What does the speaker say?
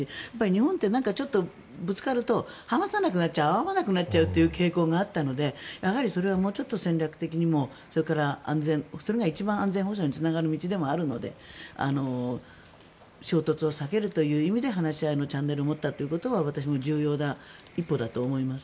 日本ってぶつかると話さなくなっちゃう会わなくなっちゃうという傾向があったのでそれはもうちょっと戦略的にもそれが一番安全保障につながる道でもあるので衝突を避けるという意味で話し合いのチャンネルを持ったということは私も重要な一歩だと思います。